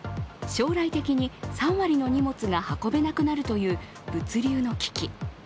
将来的に３割の荷物が運べなくなるという物流の危機。